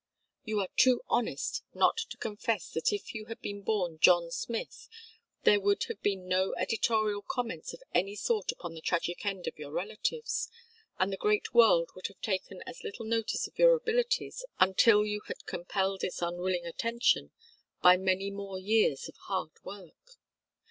You are too honest not to confess that if you had been born John Smith there would have been no editorial comments of any sort upon the tragic end of your relatives, and the great world would have taken as little notice of your abilities until you had compelled its unwilling attention by many more years of hard work.